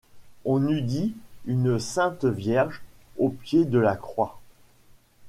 On eût dit une sainte Vierge au pied de la croix.